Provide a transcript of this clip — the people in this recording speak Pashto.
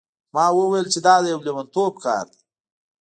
ما وویل چې دا د یو لیونتوب کار دی.